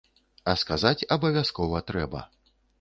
А сказаць абавязкова трэба.